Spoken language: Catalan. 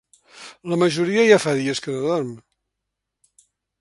La majoria ja fa dies que no dorm.